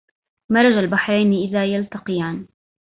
مرج البحرين إذ يلتقيان